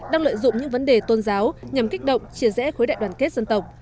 đang lợi dụng những vấn đề tôn giáo nhằm kích động chia rẽ khối đại đoàn kết dân tộc